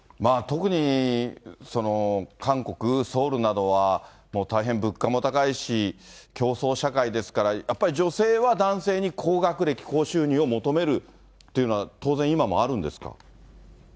特に、韓国・ソウルなどは、大変物価も高いし、競争社会ですから、やっぱり女性は男性に高学歴、高収入を求めるというのは当然今もあるんですか。